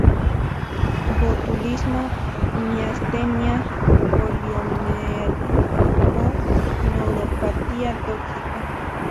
Botulismo, miastenia, poliomielitis o neuropatía tóxica.